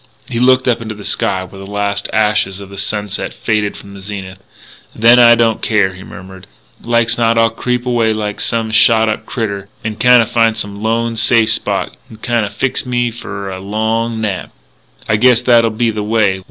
He looked up into the sky, where the last ashes of sunset faded from the zenith.... "Then I don't care," he murmured. "Like's not I'll creep away like some shot up critter, n'kinda find some lone, safe spot, n'kinda fix me f'r a long nap.... I guess that'll be the way